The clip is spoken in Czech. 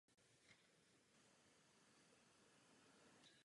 Přišel jako respektovaný host.